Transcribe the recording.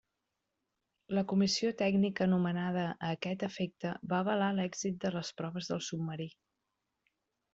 La Comissió Tècnica nomenada a aquest efecte va avalar l'èxit de les proves del submarí.